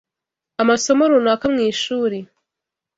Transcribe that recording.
amasomo runaka mu ishuri